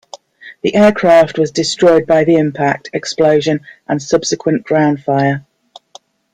The aircraft was destroyed by the impact, explosion, and subsequent ground fire.